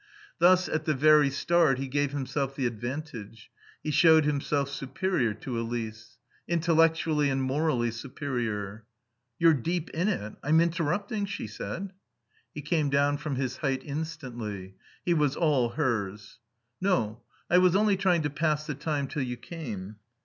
Thus, at the very start, he gave himself the advantage; he showed himself superior to Elise. Intellectually and morally superior. "You're deep in it? I'm interrupting?" she said. He came down from his height instantly. He was all hers. "No. I was only trying to pass the time till you came."